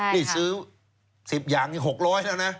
นี่ซื้อ๑๐อย่างนี้๖๐๐แล้วนะ